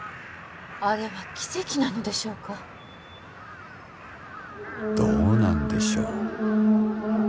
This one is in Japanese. あれは奇跡なのでしょうかどうなんでしょう